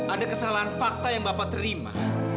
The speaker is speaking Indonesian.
ada kesalahan fakta yang bapak terima